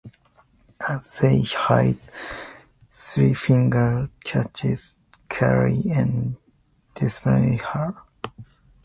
As they hide, Three Finger catches Carly and decapitates her.